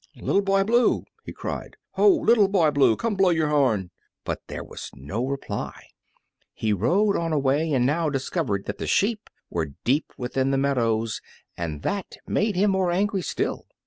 "Little Boy Blue!" he cried; "ho! Little Boy Blue, come blow your horn!" But there was no reply. He rode on a way and now discovered that the sheep were deep within the meadows, and that made him more angry still.